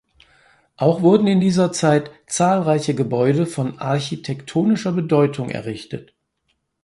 Auch wurden in dieser Zeit zahlreiche Gebäude von architektonischer Bedeutung errichtet.